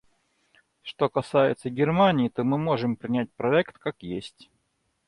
Что касается Германии, то мы можем принять проект как есть.